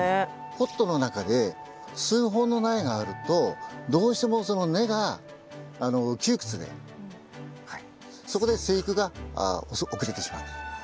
ポットの中で数本の苗があるとどうしてもその根が窮屈でそこで生育が遅れてしまったということですね。